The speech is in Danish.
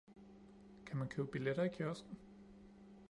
Kan man købe billetter i kiosken?